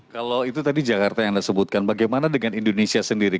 kalau itu tadi jakarta yang anda sebutkan bagaimana dengan indonesia sendiri